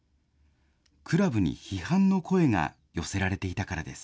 クラブに批判の声が寄せられていたからです。